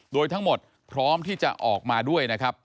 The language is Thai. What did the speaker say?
โดยทั้งหมดพร้อมที่จะออกมาด้วยนะครับ